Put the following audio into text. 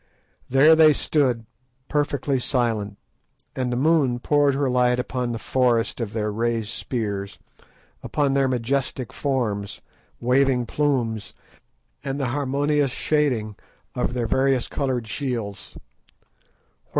There they stood perfectly silent, and the moon poured her light upon the forest of their raised spears, upon their majestic forms, waving plumes, and the harmonious shading of their various coloured shields.